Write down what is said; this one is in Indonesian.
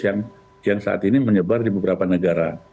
yang saat ini menyebar di beberapa negara